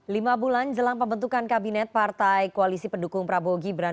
lima bulan jelang pembentukan kabinet partai koalisi pendukung prabowo gibran